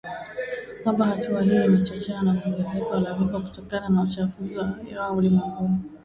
kwamba hatua hiyo imechochewa na ongezeko la vifo kutokana na uchafuzi wa hewa ulimwenguni